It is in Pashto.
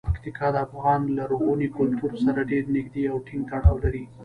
پکتیکا د افغان لرغوني کلتور سره ډیر نږدې او ټینګ تړاو لري.